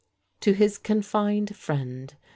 TO HIS CONFINED FRIEND, MR.